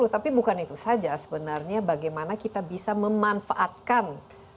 tapi bukan itu saja sebenarnya bagaimana kita bisa memanfaatkan